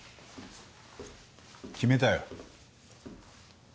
決めたよ。